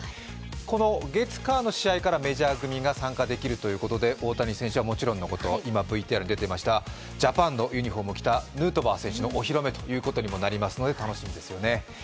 この月・火の試合からメジャー組が参加できるということで大谷選手はもちろんのこと、今、ＶＴＲに出ていました、ジャパンのユニフォームを着たヌートバーのお披露目ということにもなりますので、楽しみですよね。